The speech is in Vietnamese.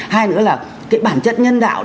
hai nữa là cái bản chất nhân đạo